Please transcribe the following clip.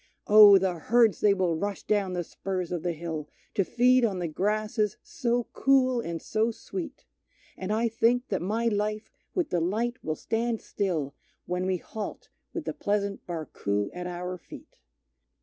Oh! the herds they will rush down the spurs of the hill To feed on the grasses so cool and so sweet; And I think that my life with delight will stand still When we halt with the pleasant Barcoo at our feet.